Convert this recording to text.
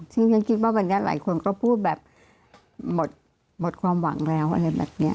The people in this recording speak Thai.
ซึ่งฉันคิดว่าวันนี้หลายคนก็พูดแบบหมดความหวังแล้วอะไรแบบนี้